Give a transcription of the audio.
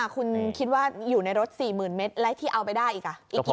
คุณคิดว่าอยู่ในรถ๔๐๐๐เมตรแล้วที่เอาไปได้อีกกี่